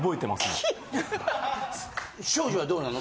庄司はどうなの？